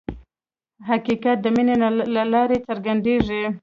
حقیقت د مینې له لارې څرګندېږي.